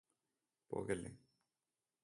പോകല്ലേ